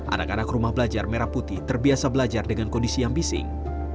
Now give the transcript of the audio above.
anak anak rumah belajar merah putih terbiasa belajar dengan kondisi yang bising